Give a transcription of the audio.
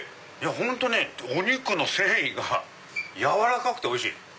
本当ねお肉の繊維が軟らかくておいしい！